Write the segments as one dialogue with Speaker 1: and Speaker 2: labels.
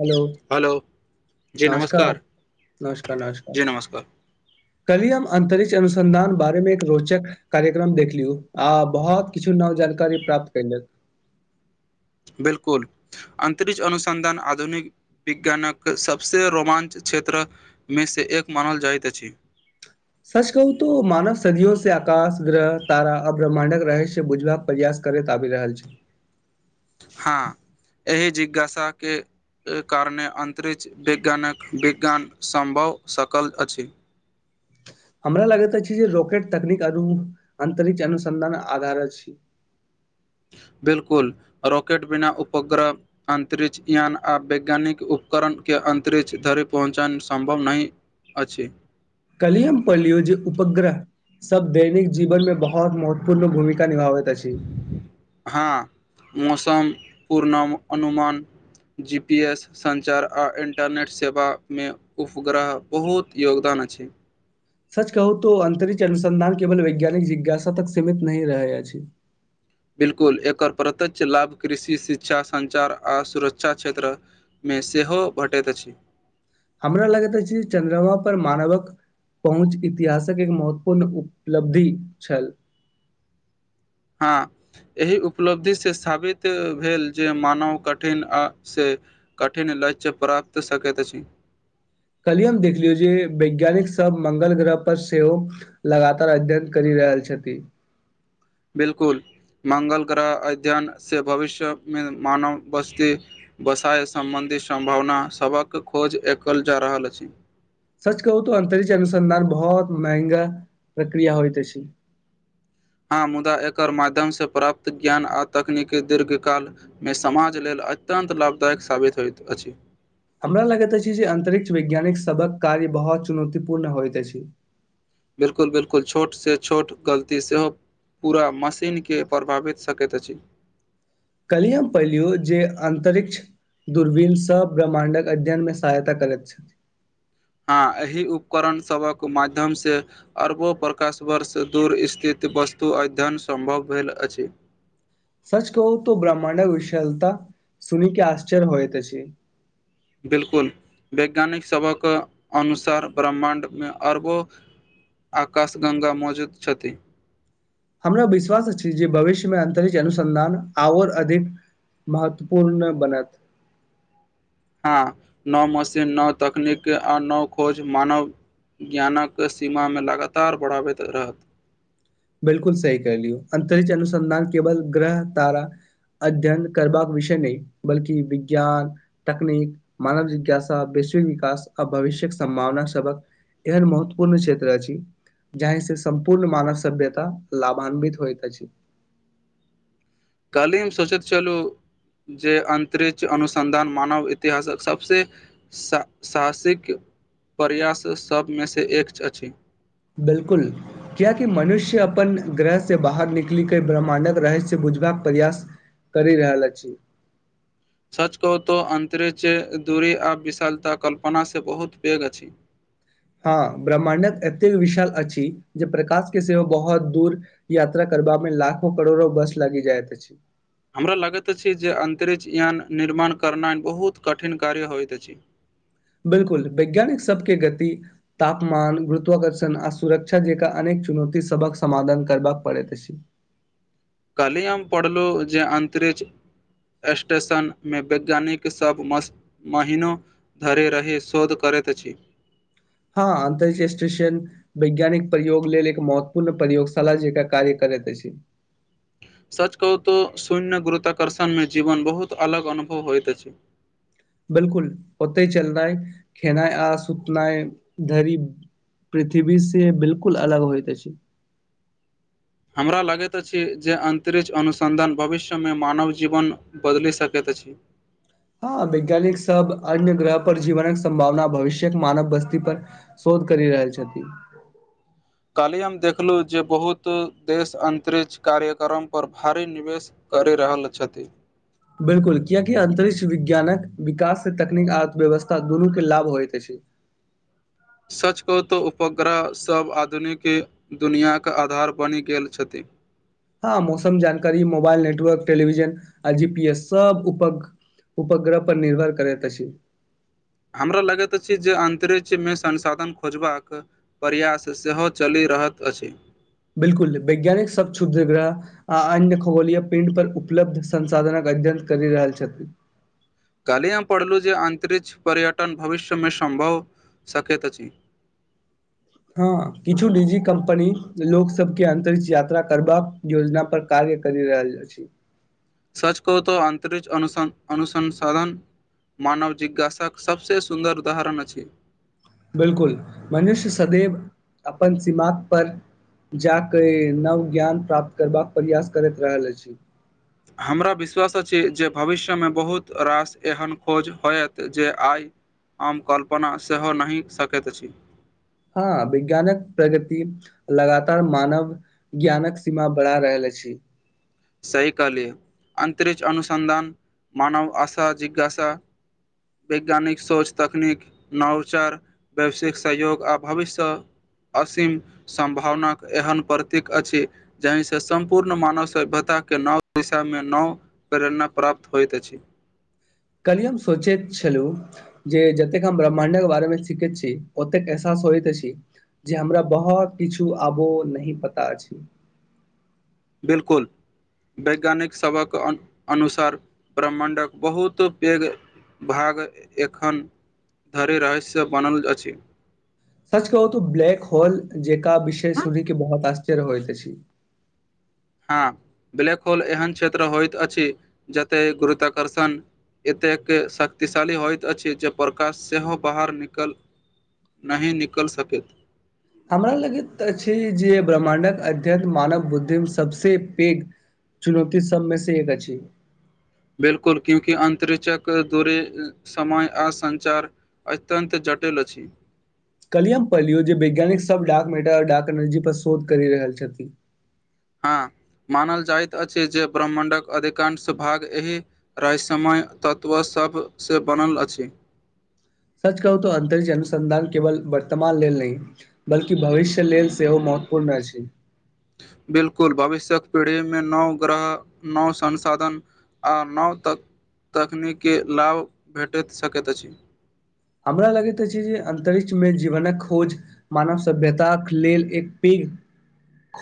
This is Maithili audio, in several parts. Speaker 1: हलो
Speaker 2: हेलो
Speaker 1: नमस्कार नमस्कार नमस्कार कली हम अंतरिक्ष अनुसन्धान बारे मे एक रोचक कार्यक्रम देखलियू आ बहुत किछु नव जानकारी प्राप्त कैलक
Speaker 2: बिलकुल अंतरिछ अनुसन्धान आधुनिक विज्ञानके सभसँ रोमांच क्षेत्रमेसे एक मानल जाइत अछि
Speaker 1: सच कहू तो मानव सदियो से आकाश ग्रह तारा आ ब्रह्मण्डक रहस्य बुझबाक प्रयास करैत आबि रहल छै
Speaker 2: हँ एहि जिज्ञासाके एहि कारणे अंतरिक्ष विज्ञानके विज्ञान सम्भव सकल अछि
Speaker 1: हमरा लगैत अछि जे रॉकेट तकनीक अंतरिक्ष अनुसंधान आधार अछि
Speaker 2: बिलकुल रॉकेट बिना उपग्रह अंतरिक्षयान आ वैज्ञानिक उपकरण के अंतरिक्ष धरि पहुँचन सम्भव नहि अछि
Speaker 1: कलि हम परलियो जे उपग्रह सब दैनिक जीवन में बहाॅत महत्वपूर्ण भूमिका निभाबैत अछि
Speaker 2: हँ मौसम पूर्णम अनुमान जीपीएस सञ्चार आ इन्टरनेट सेवा में उफग्रह बहुत योगदान अछि
Speaker 1: सच कहू तो अंतरिछ अनुसन्धान केवल वैज्ञानिक जिज्ञासा तक सीमित नहि रहै अछि
Speaker 2: बिलकुल एकर प्रत्य्यक्ष लाभ कृषि शिक्षा सञ्चार आ सुरक्षा क्षेत्र में सेहो भेटैत अछि
Speaker 1: हमरा लगैत छै चन्द्रमा पर मानवक पहुँच इतिहासक एक महत्वपूर्ण उपलब्धि छल
Speaker 2: हँ एहि उपलब्धि से साबित भेल जे मानव कठिन आ से कठिन लक्ष्य प्राप्त सकैत अछि
Speaker 1: कहलियए हम देखलियौ जे वैज्ञानिक सब मंगल ग्रह पर सेहो लगातार अध्ययन कर रहल छथि
Speaker 2: बिलकुल मङंगल ग्रह अध्ययन से भविष्यमें मानव बस्ती बसाय सम्बन्धी सम्भावना सभक खोज एकल जा रहल अछि
Speaker 1: सच कहू त अंतरिछ अनुसन्धान बहुत महंगा प्रक्रिया होइत अछि
Speaker 2: हँ मुदा एकर माध्यम से प्राप्त ज्ञान आ तकनीकी दीर्घकाल में समाज लेल अत्यन्त लाभदायक साबित होइत अछि
Speaker 1: हमरा लगैत अछि जे अंतरिक्ष वैज्ञानिक सबक कार्य बहुत चुनौतीपूर्ण होइत अछि
Speaker 2: बिलकुल बिलकुल छोटसँ छोट गलती सेहो पूरा मशीनके प्रभावित सकैत अछि
Speaker 1: कल्हि हम पहिलियौ जे अन्तरिक्ष दूरवीन सभ ब्रह्माण्डक अध्ययनमे सहायता करैत छथि
Speaker 2: हँ एहि उपकरण सभक माध्यमसँ अरबो प्रकाश वर्ष दूर स्थित वस्तु अध्ययन सम्भव भेल अछि
Speaker 1: सच कह तो ब्रह्माण्डक विशालता सुनि के आश्चर्य होइत छै
Speaker 2: बिलकुल वैज्ञानिक सभक अनुसार ब्रह्माण्ड में अरबो आकाशगङ्गा मौजूद छथि
Speaker 1: हमरा विश्वास अछि जे भविष्यमें अन्तरिक्ष अनुसन्धान आओर अधिक महत्वपूर्ण बनत
Speaker 2: हँ नव मशीन नव तकनीक आ नव खोज मानव ज्ञानके सीमा में लगातार बढ़ाबैत रहत
Speaker 1: बिलकुल सही कर लियौ अन्तरिक्ष अनुसन्धान केवल ग्रह तारा अध्ययन करबाक विषय नहि बल्कि विज्ञान तकनीक मानव जिज्ञासा वैश्विक विकास आ भविष्य्यक सम्भावना सबक एहन महत्वपूर्ण क्षेत्र अछि जही से सम्पूर्ण मानव सभ्यता लाभान्वित होइ त
Speaker 2: काली में स्वचत चलू जे अन्तरिक्ष अनुसन्धान मानव इतिहासक सबसँ साहसिक प्रयास सभ में सँ एक अछि
Speaker 1: बिल्कुल किएकि मनुष्य अपन ग्रहसँ बाहर निकलि कऽ ब्रह्मण्डक रहस्य बुझबाक प्रयास कर रहल छी
Speaker 2: सच कहतो अंतरिक्ष दूरी आ विशालता कल्पनासँ बहुत पैग अछि
Speaker 1: हँ ब्रह्मण्डक एतेक विशाल अछि जे प्रकाश के सेहो बहुत दूर यात्रा करबा में लाखो करोड़ो वर्ष लागी जाइत
Speaker 2: हमरा लगैत अछि जे अंतरिक्ष यान निर्माण करनाइ बहुत कठिन कार्य होइत अछि
Speaker 1: बिलकुल वैज्ञानिक सबके गति तापमान गुरुत्वकर्षण आ सुरक्षा जेक अनेक चुनौती सबक समाधान करबाक पड़ैत अछि
Speaker 2: काली हम पढ़लहुँ जे अंतरिक्ष स्टेशन मे वैज्ञानिक सब मस्त महीनो धरिे रहै शोध करैत अछि
Speaker 1: हँ अंतरिक्ष स्टेशन वैज्ञानिक प्रयोग लेल एक महत्वपूर्ण प्रयोगशाला जकां कार्य करैत अछि
Speaker 2: सच कहू तो शून्य गुरुताकर्षण मे जीवन बहुत अलग अनुभव होइत अछि
Speaker 1: बिलकुल ओतय चलनाइ खेनाय आ सुतनाय धरी पृथ्वी से बिलकुल अलग होइत अछि
Speaker 2: हमरा लगैत अछि जे अन्तरिक्ष अनुसन्धान भविष्यमे मानव जीवन बदलि सकैत अछि
Speaker 1: हँ वैज्ञानिक सब अन्य ग्रह पर जीवनक सम्भावना भविष्यक मानव बस्ती पर शोध करी रहल छथि
Speaker 2: काल्हि हम देखलहुँ जे बहुत देश अन्तरिक्ष कार्यक्रमपर भारी निवेश करि रहल छथि
Speaker 1: बिल्कुल कियाकि अंतरिक्ष विज्ञानक विकास से तकनीक अर्थव्यवस्था दुनू के लाभ होइत अछि
Speaker 2: सच कहौ तो उपग्रहसभ आधुनिक दुनिआके आधार बनि गेल छथि
Speaker 1: हँ मौसम जानकारी मोबाइल नेटवर्क टेलिविजन आ जी पी एस सब उप उपग्रह पर निर्भर करैत अछि
Speaker 2: हमरा लगैत अछि जे अन्तरिक्षमे संसाधन खोजबाक प्रयास सेहो चलि रहल अछि
Speaker 1: बिलकुल वैज्ञानिक सब छुधग्रह आ अन्य खगोलीय पिंड पर उपलब्ध संसाधनक अध्ययन करि रहल छथि
Speaker 2: काल्हि हम पढ़लहुँ जे अंतरिक्ष पर्यटन भविष्यमे सम्भव सकैत अछि
Speaker 1: हँ किछु नीजी कम्पनी लोक सबके अंतरिक्ष यात्रा करबाक योजना पर कार्य कर रहल अछि
Speaker 2: सच कहु तऽ अन्तरिक्ष अनुस अनुसंसाधन मानव जिज्ञासाक सभसँ सुन्दर उदाहरण अछि
Speaker 1: बिलकुल मनुष्य सदैव अपन सीमा पर जाके नव ज्ञान प्राप्त करबाक प्रयास करैत रहल अछि
Speaker 2: हमरा विश्वास अछि जे भविष्यमे बहुत रास एहन खोज होयत जे आइ हम कल्पना सेहो नहि सकैत अछि
Speaker 1: हँ विज्ञानक प्रगति लगातार मानव ज्ञानक सीमा बढ़ा रहल अछि
Speaker 2: सही कहलियै अन्तरिक्ष अनुसन्धान मानव आशा जिज्ञासा वैज्ञानिक सोच तकनीक नवोचार व्यवसायिक सहयोग आ भविष्यसँ असीम सम्भावनाक एहन प्रतीक अछि जहि से सम्पूर्ण मानव सभ्यता के नव दिशामे नओ प्रेरणा प्राप्त होइत अछि
Speaker 1: कल्ही हम सोचेत छलूं जे जतेक हम ब्रह्माण्ड के बारेमे सीखैत छी ओतेक एहसास होइत अछि जे हमरा बहुत किछु आबो नहि पता अछि
Speaker 2: बिलकुल वैज्ञानिक सभक अन अनुसार ब्रह्मण्डक बहुत पैघ भाग एखन धरि रहस्य बनल अछि
Speaker 1: सच कह ओ तऽ ब्लैक होल जेका विषय सुनकि बहुत आश्चर्य होइत छी
Speaker 2: हँ ब्लैक होल एहन क्षेत्र होइत अछि जते गुरुत्वाकर्षण एतेक शक्तिशाली होइत अछि जे प्रकाश सेहो बाहर निकल नहि निकलि सकैत
Speaker 1: हमरा लगैत छै जे ब्रह्मडक अध्ययन मानव बुद्धिमे सबसँ पैघ चुनौती सबमे से एक अछि
Speaker 2: बिलकुल क्यूँकी अन्तरिक्षक दूरी समय आ संञचार अत्यन्त जटील छी
Speaker 1: कलियए हम पहिलियौ जे वैज्ञानिक सब डाक मेटर डाक एनर्जी पर शोध करि रहल छथिन
Speaker 2: हँ मानल जाइत अछि जे ब्रह्मण्डक अधिकांश भाग एहि रहसय मय तत्व सभसँ बनल अछि
Speaker 1: सच कहू तो अंतरिक्ष अनुसंधान केवल वर्तमान लेल नहि बल्कि भविष्य लेल सेहो महत्वपूर्ण अछि
Speaker 2: बिल्कुल भविष्य्यक पीढ़ी में नव ग्रह नव संसाधन आ नव तक तकनीकँ लाभ भेटैत सकैत अछि
Speaker 1: हमरा लगैत अछि जे अन्तरिक्षमे जीवनक खोज मानव सभ्यताक लेल एक पैघ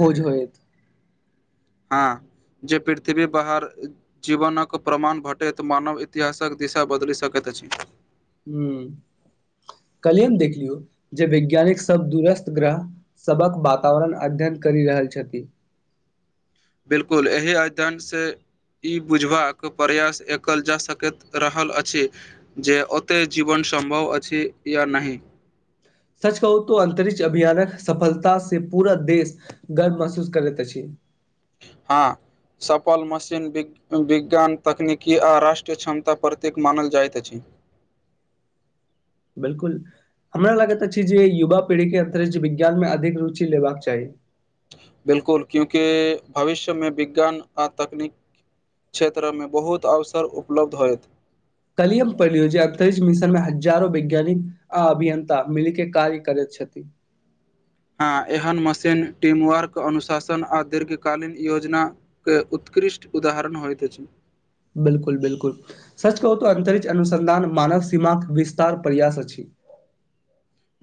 Speaker 1: खोज होयत
Speaker 2: हँ जे पृथ्वी बाहर जीवनक प्रमाण भेटैत मानव इतिहासक दिशा बदलि सकैत अछि
Speaker 1: हं कल्हियम देखलियौ जे वैज्ञानिक श दुरस्त ग्रह सभक वातावरण अध्ययन करी रहल छथि
Speaker 2: बिलकुल एहि अध्ययनसँ ई बुझबाक प्रयास एकल जा सकैत रहल अछि जे ओते जीवन सम्भव अ अछि या नहि
Speaker 1: सच कहू तो अंतरिक्ष अभियानक सफलता से पूरा देश गर्व महसूस करैत अछि
Speaker 2: हँ सफल मशीन बिक विज्ञान तकनीकी आ राष्ट्रीय क्षमता प्रतीक मानल जाइत अछि
Speaker 1: बिल्कुल हमरा लागैत अछि जे युवा पीढ़ी के अंतरिक्ष विज्ञान में अधिक रुचि लेबाक चाही
Speaker 2: बिल्कुल क्यूकि भविष्यमें विज्ञान आ तकनीक क्षेत्रमें बहुत अवसर उपलब्ध होयत
Speaker 1: कल्हियो पढ़लियो जे अंतरिक्ष मिशन में हजारो वैज्ञानिक अभियन्ता मिल के कार्य करैत छथिन
Speaker 2: हँ एहन मशीन टीमवर्क अनुशासन आ दीर्घकालीन योजना उत्कृष्ट उदाहरण होइत अछि
Speaker 1: बिल्कुल बिल्कुल सच कहू त अंतरिक्ष अनुसन्धान मानव सीमाक विस्तार प्रयास अछि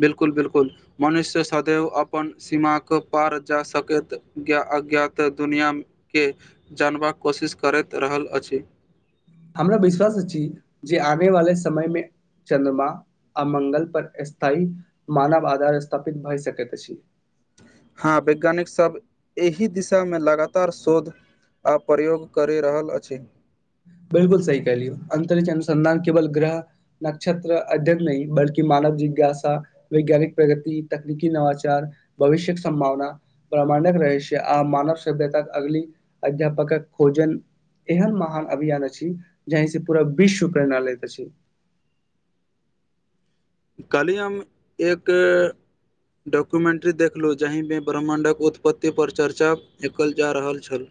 Speaker 2: बिल्कुल बिल्कुल मनुष्य सदैव अपन सीमाके पार जा सकैत ज्ञात अज्ञात दुनिआँ के जानबाक कोशिश करैत रहल अछि
Speaker 1: हमरा विश्वास अछि छी जे आने वाले समय में चद्रमा आ मंगल पर स्थायी मानव आधार स्थापित भए सकैत अछि
Speaker 2: हँ वैज्ञानिकसभ एहि दिशा में लगातार शोध ओर प्रयोग करि रहल अछि
Speaker 1: बिल्कुल सही कहलियौ अन्तरिक्ष अनुसन्धान केवल ग्रह नक्षत्र अध्यन नहि बल्कि मानव जिज्ञासा वैज्ञानिक प्रगति तकनीकी नवाचार भविष्यक संभावना प्रमाणक रहै छै आ मानव सभ्यता अगली अध्यापक खोजन एहन महान अभियान अछि जहहि से पूरा विश्व प्रणालैत अछि
Speaker 2: कली हम एक डॉक्युमेन्ट्री देखलूँ जाहि में ब्रह्मण्डक उत्पत्ति पर चर्चा एकल जा रहल छल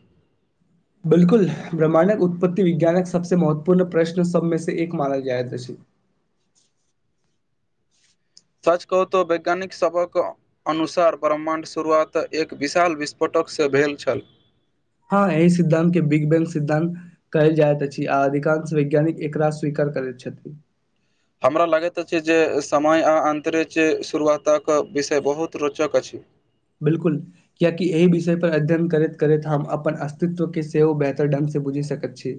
Speaker 1: बिल्कुल ब्रह्मण्क उत्पत्ति विज्ञानक सबसँ महत्वपूर्ण प्रश्न सब में से एक मानल जायत अछि
Speaker 2: सच कहू त वैज्ञानिक सबक अनुसार ब्रह्मण्ड शुरुआत एक विशाल विस्फोटकसँ भेल छल
Speaker 1: हँ ई सिद्धान्त के बिग बैंग सिद्धान्त कहल जायत अछि आ अधिकांश वैज्ञानिक एकरा स्वीकार करैत छथि
Speaker 2: हमरा लागैत अछि जे समय आ अन्तरिक्ष शुरुआतक विषय बहुत रोचक अछि
Speaker 1: बिल्कुल कियाकि एहि विषय पर अध्ययन करैत करैत हम अपन अस्तित्व के सेहो बेहतर ढ्ंग से बुझि सकैत छी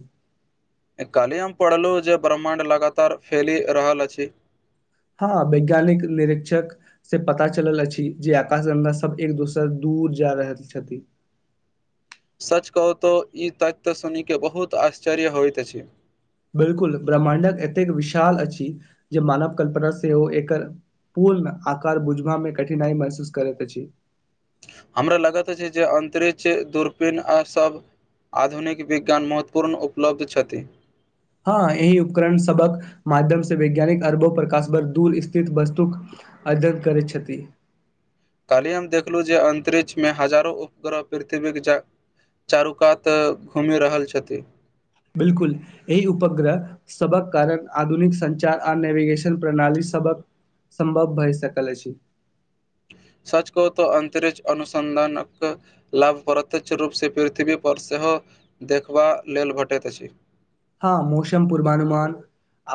Speaker 2: कल्हि हम पढ़लहुँ जे ब्रह्माण्ड लगातार फैलि रहल अछि
Speaker 1: हँ वैज्ञानिक निरिक्षक से पता चलल अछि जे आकाश गंगा सब एक दोसर दूर जा रहल छथि
Speaker 2: सच कहूतहु ई तथ्य सुनिके बहुत आश्चर्य होइत अछि
Speaker 1: बिलकुल ब्रंह्मडक एतेक विशाल अछि जे मानव कल्पना से ओ एकर पूर्ण आकार बुझबा मे कठिनाई महसूस करैत अछि
Speaker 2: हमरा लगैत अछि जे अन्तरिछ दूरपीन आ सब आधुनिक विज्ञान महत्वपूर्ण उपलब्ध छथि
Speaker 1: हँ एहि उपकरण सबक माध्यम से वैज्ञानिक अरबो प्रकाश भर दूर स्थित वस्तुक अध्ययन करै छथिन
Speaker 2: काल्हि हम देखलो जे अन्तरिक्षमे हजारो उपग्रह पृथ्वीके चा चारू कात घूमि रहल छथि
Speaker 1: बिल्कुल एई उपग्रह सबक कारण आधुनिक संचार आ नेवेगेशन प्रणाली सबक संभव बैर सकल अछि
Speaker 2: सच कहु तो अंतरिक्ष अनुसन्धानक लाभ प्रत्यक्ष रूपसँ पृथ्वी पर सेहो देखबा लेल भेटक अछि
Speaker 1: हँ मुसम पूर्वानुमान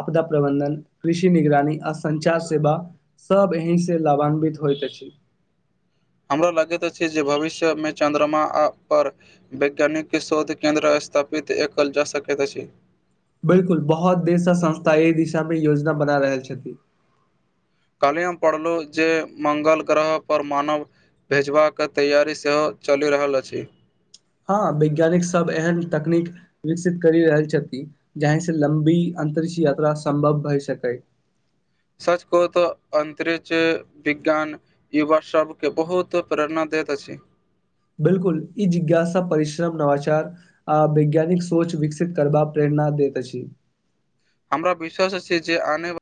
Speaker 1: आपदा प्रबन्धन कृषि निगरानी आ संचार सेवा सभ एहिसँ लावान्वित होयत अछि
Speaker 2: हमरा लगैत अछि जे भविष्यमे चन्द्रमा आ पर वैज्ञानिक शोध केंन्द्र स्थापित ए कल जा सकैत अछि
Speaker 1: बिलकुल बहुत देरस संस्था एहि दिशा मे योजना बना रहल छथि
Speaker 2: कैले हम पढ़लहुँ जे मंगल ग्रहपर मानव भेजबाक तैयारि सेहो चलि रहल अछि
Speaker 1: हँ वैज्ञानिक सब एहन तकनीक विकसित करि रहल छथि जाहि से लम्बी अन्तरिक्ष यात्रा संभव भइ सकै
Speaker 2: सच कहु त अन्तरिछ बिज्ञान युवा सब के बहुत प्रेरणा दैत अछि
Speaker 1: बिल्कुल ई जिज्ञासा परिश्रम नवाचार आ वैज्ञानिक सोच विकसित करबा प्रेरणा दै अछी
Speaker 2: हमरा विश्वास छी जे आनेव